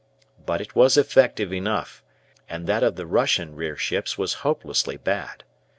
But it was effective enough, and that of the Russian rear ships was hopelessly bad.